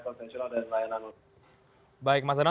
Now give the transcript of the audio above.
dan layanan online baik mas denang